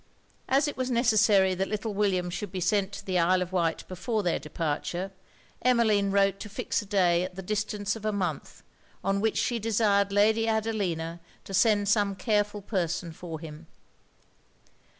As it was necessary that little William should be sent to the Isle of Wight before their departure, Emmeline wrote to fix a day at the distance of a month, on which she desired Lady Adelina to send some careful person for him.